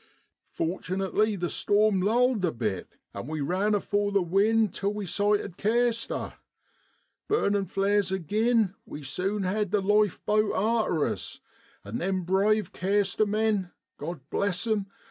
Fortunately the storm lulled a bit, and we ran afore the wind till we sighted Caister. Burnin' flares agin, we sune had the life boat arter us, and them brave Caister men, Grod bless 'em